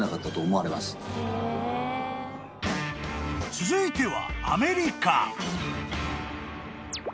［続いては］